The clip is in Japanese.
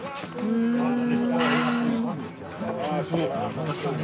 おいしいね。